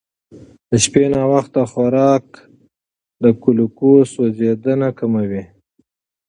د شپې ناوخته خورا د ګلوکوز سوځېدنه کموي.